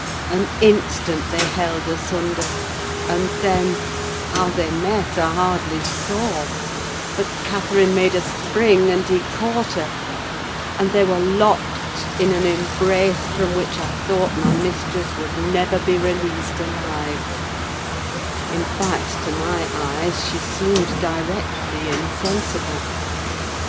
An instant they held asunder, and then how they met I hardly saw, but Catherine made a spring, and he caught her, and they were locked in an embrace from which I thought my mistress would never be released alive: in fact, to my eyes, she seemed directly insensible.